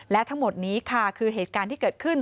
และทั้งหมดนี้ค่ะคือเหตุการณ์ที่เกิดขึ้น